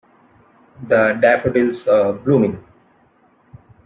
The daffodils are blooming.